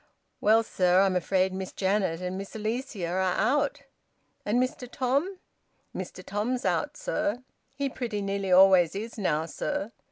"Well, sir, I'm afraid Miss Janet and Miss Alicia are out." "And Mr Tom?" "Mr Tom's out, sir. He pretty nearly always is now, sir."